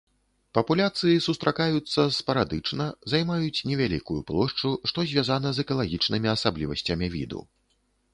Папуляцыі сустракаюцца спарадычна, займаюць невялікую плошчу, што звязана з экалагічнымі асаблівасцямі віду.